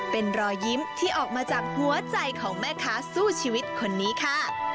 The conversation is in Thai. เป็นรอยยิ้มที่ออกมาจากหัวใจของแม่ค้าสู้ชีวิตคนนี้ค่ะ